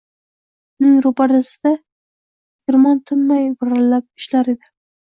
Uyning ro‘parasida tegirmon tinmay varillab ishlar edi